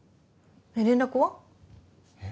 連絡は？え？